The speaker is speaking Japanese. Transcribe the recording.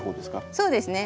そうですね。